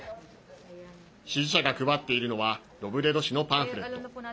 支持者が配っているのはロブレド氏のパンフレット。